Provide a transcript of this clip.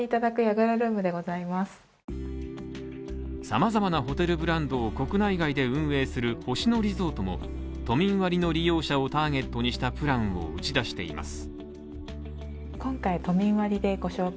様々なホテルブランドを国内外で運営する星野リゾートも都民割の利用者をターゲットにしたプランを打ち出しています。